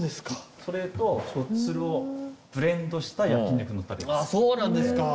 それとしょっつるをブレンドした焼肉のたれです。